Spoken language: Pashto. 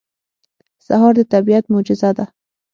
سهار د طبیعت معجزه ده.